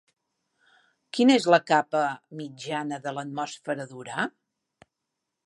Quina és la capa mitjana de l'atmosfera d'Urà?